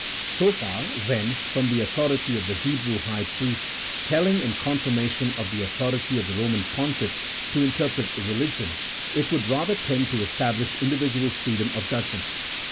So far, then, from the autho rity of the Hebrew high priests telling in confirmation of the authority of the Eoman pontiffs to interpret religion, it would rather tend to establish individual freedom of judgment.